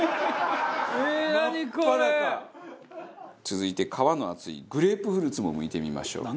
続いて皮の厚いグレープフルーツもむいてみましょう。